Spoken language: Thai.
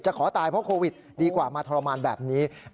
ขอตายเพราะโควิดดีกว่ามาทรมานแบบนี้